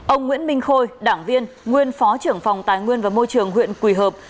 ông nguyễn minh khôi đảng viên nguyên phó trưởng phòng tài nguyên và môi trường huyện quỳ hợp